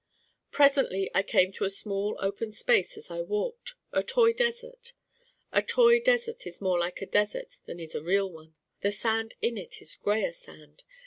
Presently I came to a small open space as I walked, a toy desert. A toy desert is more like a desert than is a real one. The sand in it is grayer sand.